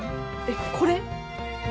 えっこれ？